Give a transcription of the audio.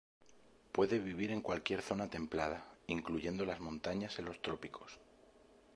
Puede vivir en cualquier zona templada, incluyendo las montañas en los trópicos.